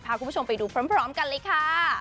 พาคุณผู้ชมไปดูพร้อมกันเลยค่ะ